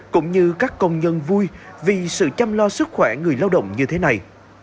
cũng như các công nhân vui vì sự chăm lo sức khỏe người lao động như thế này